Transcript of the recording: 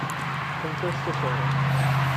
Con questo sole.